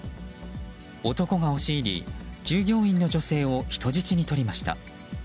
男が押し入り従業員の女性を人質に取りました。